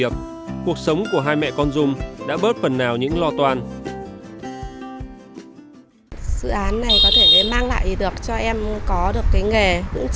cuộc sống của hai mẹ con dùm đã bớt phần nào những lo toan